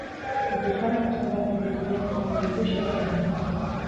Gipuzkoarrak aste bateko itzuliak izango ditu xede berriz ere.